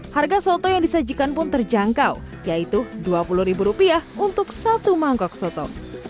harga soto yang disajikan pun terjangkau yaitu rp dua puluh untuk satu mangkok soto